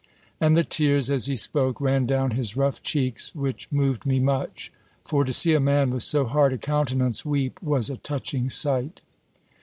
And the tears, as he spoke, ran down his rough cheeks; which moved me much; for to see a man with so hard a countenance weep, was a touching sight.